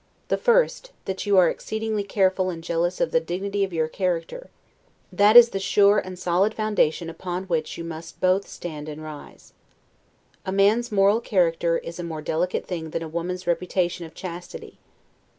The first, that you are exceedingly careful and jealous of the dignity of your character; that is the sure and solid foundation upon which you must both stand and rise. A man's moral character is a more delicate thing than a woman's reputation of chastity.